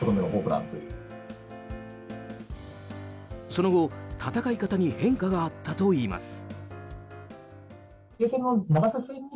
その後、戦い方に変化があったといいます。